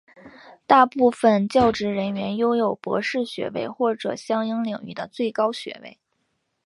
大部分教职人员拥有博士学位或者相应领域的最高学位。